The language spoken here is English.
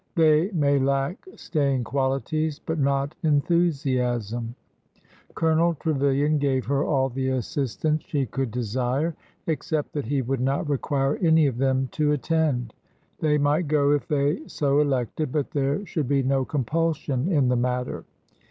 They may lack staying qualities, but not enthusiasm. Colonel Trevilian gave her all the assistance she could desire, except that he would not require any of them to attend. They might go if they so elected, but there should be no compulsion in the matter.